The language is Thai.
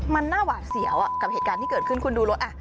มันน่าหวาดเสียวกับเหตุการณ์ที่เกิดขึ้นคุณดูรถ